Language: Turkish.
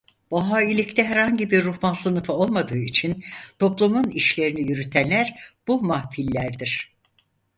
Bahailikte herhangi bir ruhban sınıfı olmadığı için toplumun işlerini yürütenler bu mahfillerdir.